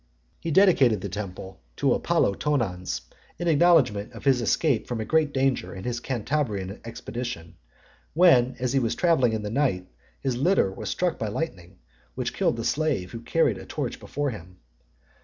He dedicated the temple to Apollo Tonans , in acknowledgment of his escape from a great danger in his Cantabrian expedition; when, as he was travelling in the night, his litter was struck by lightning, which killed the slave who carried a torch before him.